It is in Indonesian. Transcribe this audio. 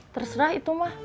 terserah itu mah